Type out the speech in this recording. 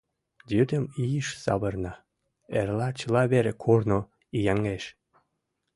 Йӱдым ийыш савырна, эрла чыла вере корно ияҥеш.